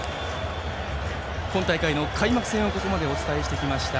今大会の開幕戦をここまでお伝えしてきました。